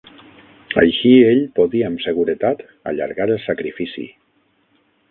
Així ell podia amb seguretat allargar el sacrifici